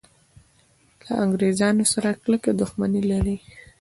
له انګریزانو سره کلکه دښمني لري.